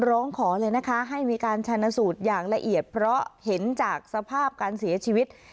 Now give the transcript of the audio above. ร้องขอเลยนะคะให้มีการชนะสูตรอย่างละเอียดเพราะเห็นจากสภาพการเสียชีวิต